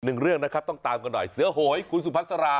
หนึ่งเรื่องนะครับต้องตามกันหน่อยเสือโหยคุณสุพัสรา